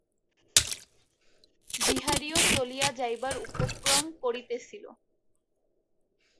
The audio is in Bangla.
বিহারীও চলিয়া যাইবার উপক্রম করিতেছিল।